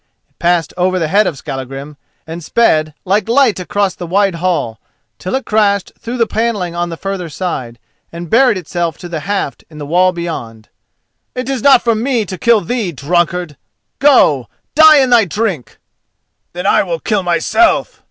It passed over the head of Skallagrim, and sped like light across the wide hall, till it crashed through the panelling on the further side, and buried itself to the haft in the wall beyond. "It is not for me to kill thee, drunkard! Go, die in thy drink!" "Then I will kill myself!"